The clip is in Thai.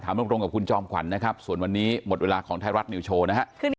ตรงกับคุณจอมขวัญนะครับส่วนวันนี้หมดเวลาของไทยรัฐนิวโชว์นะฮะ